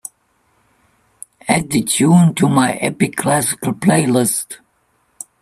Add the tune to my Epic Classical playlist.